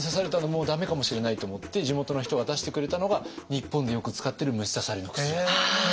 もう駄目かもしれないと思って地元の人が出してくれたのが日本でよく使ってる虫刺されの薬。